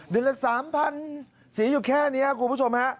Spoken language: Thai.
เดือนละ๓๐๐๐เสียอยู่แค่นี้ครับ